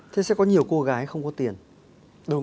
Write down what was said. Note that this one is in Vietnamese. thế sẽ có nhiều cô gái không có tiền